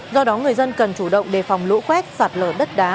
do đó người dân cần chủ động đề phòng lũ quét sạt lở đất đá